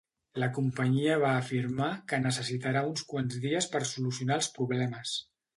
La companyia va afirmar que necessitarà uns quants dies per solucionar els problemes.